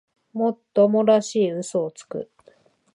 もっともらしい嘘をつく